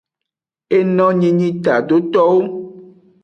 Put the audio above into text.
Enonyi nyi tadotowo.